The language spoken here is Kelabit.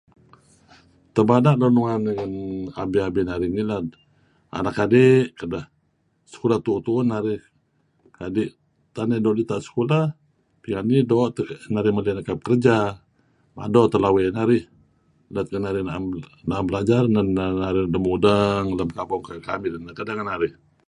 tabadah lunuan ngan abi abi narih nih ngilad..anak kadi...kadah, sekolah tuuh narih kadih narih do ditah sekolah, [unintelligible] adih do [unintelligible] tah narih mulih nakap kerja,..mado tah lawa narih. lat ngan narih naam belajar na'nah narih mudang ...lam kampung katad kamih